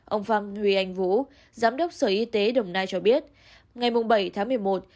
ông phạm huy anh vũ giám đốc sở y tế đồng nai cho biết ngày bảy tháng một mươi một